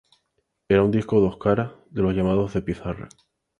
Era un disco de dos caras, de los llamados 'de pizarra'.